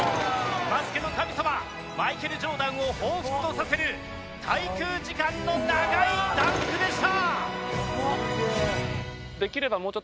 バスケの神様マイケル・ジョーダンを彷彿とさせる滞空時間の長いダンクでした。